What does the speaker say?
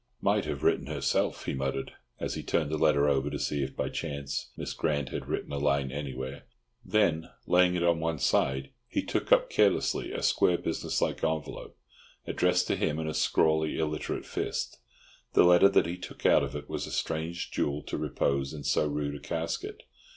"Might have written herself!" he muttered, as he turned the letter over to see if by chance Miss Grant had written a line anywhere; then, laying it on one side, he took up carelessly a square business like envelope, addressed to him in a scrawly, illiterate fist. The letter that he took out of it was a strange jewel to repose in so rude a casket.